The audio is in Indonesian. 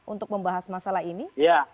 untuk membahas masalah ini